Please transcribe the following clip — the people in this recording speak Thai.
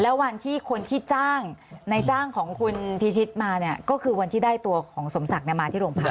แล้ววันที่คนที่จ้างในจ้างของคุณพิชิตมาเนี่ยก็คือวันที่ได้ตัวของสมศักดิ์มาที่โรงพัก